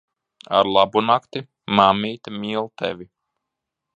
Arlabunakti. Mammīte mīl tevi.